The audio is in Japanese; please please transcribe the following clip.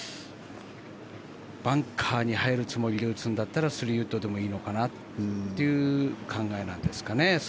バンカーに入るつもりで打つんだったら３ウッドでもいいのかなという考えなんですかね。